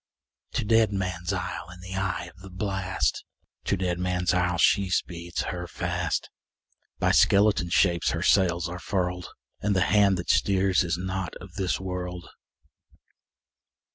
To Deadman's Isle, in the eye of the blast, To Deadman's Isle, she speeds her fast; By skeleton shapes her sails are furled, And the hand that steers is not of this world!